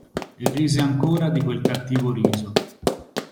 E rise ancora di quel cattivo riso.